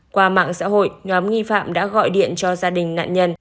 qua mạng xã hội nhóm nghi phạm đã gọi điện cho gia đình nạn nhân